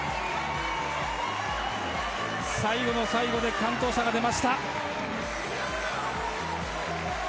最後の最後で完登者が来ました。